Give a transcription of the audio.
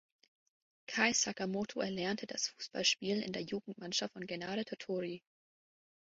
Kei Sakamoto erlernte das Fußballspielen in der Jugendmannschaft von Gainare Tottori.